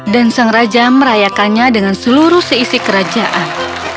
dan sang raja merayakannya dengan seluruh seisi kerajaan